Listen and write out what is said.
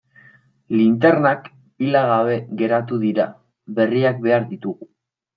Linternak pila gabe geratu dira, berriak behar ditugu.